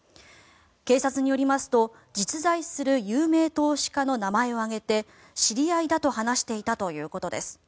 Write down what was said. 警察によりますと、実在する有名投資家の名前を挙げて知り合いだと話していたということです。